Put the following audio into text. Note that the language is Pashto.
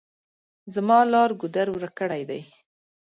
زما لار ګودر ورک کړي دي.